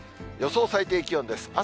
予想最低気温です。